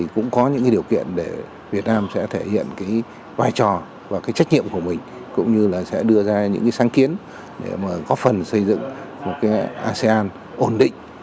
cũng có những điều kiện để việt nam sẽ thể hiện cái vai trò và trách nhiệm của mình cũng như là sẽ đưa ra những sáng kiến để góp phần xây dựng một asean ổn định